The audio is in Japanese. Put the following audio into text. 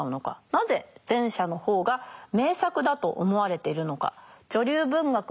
なぜ前者の方が名作だと思われているのか。